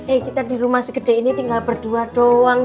eh kita di rumah segede ini tinggal berdua doang